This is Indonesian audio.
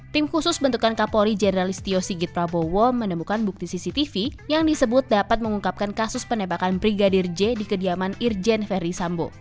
tim khusus bentukan kapolri jenderal istio sigit prabowo menemukan bukti cctv yang disebut dapat mengungkapkan kasus penembakan brigadir j di kediaman irjen ferdisambo